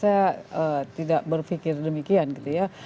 saya tidak berpikir demikian gitu ya